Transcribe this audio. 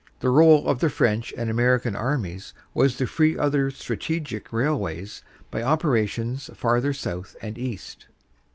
The role of the French and American armies was to free other strategic railways by operations farther South and East.